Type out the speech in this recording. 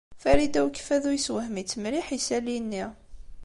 Farida n Ukeffadu yessewhem-itt mliḥ yisali-nni.